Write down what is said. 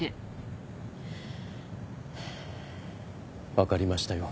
分かりましたよ